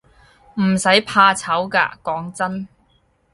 唔使怕醜㗎，講真